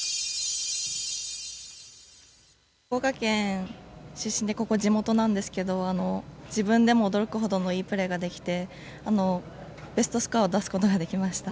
福岡県出身で、ここ地元なんですけど自分でも驚くほどのいいプレーができてベストスコアを出すことができました。